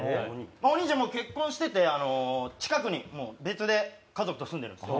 お兄ちゃんもう結婚してて近くに別で家族と住んでるんですよ。